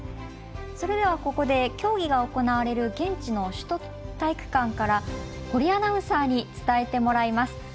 それでは、ここで競技が行われる現地の首都体育館から堀アナウンサーに伝えてもらいます。